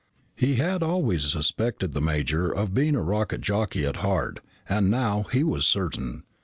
He had always suspected the major of being a rocket jockey at heart and now he was certain.